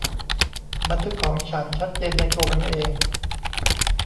บันทึกของฉันชัดเจนในตัวมันเอง